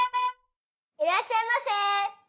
いらっしゃいませ！